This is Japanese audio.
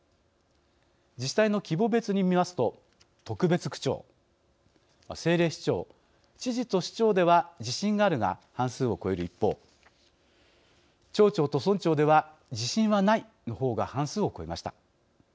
自治体の規模別に見ますと特別区長、政令市長知事と市長では「自信がある」が半数を超える一方町長と村長では「自信はない」の方が半数を超えました。